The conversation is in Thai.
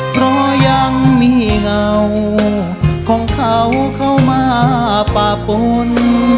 เพราะยังมีเงาของเขาเข้ามาปะปน